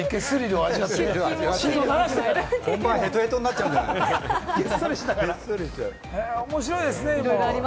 本番ヘトヘトになっちゃうん面白いですね。